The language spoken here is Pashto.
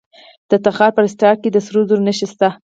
د تخار په رستاق کې د سرو زرو نښې شته.